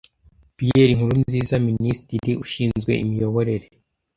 Pierre NKURUNZIZA Minisitiri ushinzwe Imiyoborere